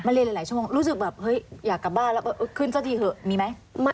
เรียนหลายชั่วโมงรู้สึกแบบเฮ้ยอยากกลับบ้านแล้วก็ขึ้นซะทีเถอะมีไหม